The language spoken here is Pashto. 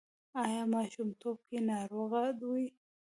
ایا ماشومتوب کې ناروغه وئ؟